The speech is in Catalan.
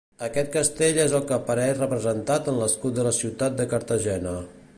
Aquest castell és el que apareix representat en l'escut de la ciutat de Cartagena.